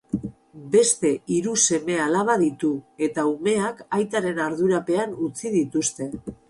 Beste hiru seme-alaba ditu, eta umeak aitaren ardurapean utzi dituzte.